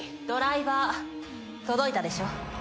ドライバー届いたでしょ？